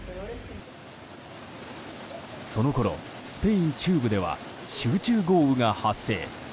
そのころ、スペイン中部では集中豪雨が発生。